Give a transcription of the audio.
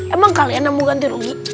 emang kalian yang mau ganti rugi